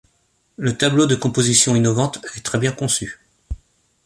Le tableau de composition innovante est très bien conçu.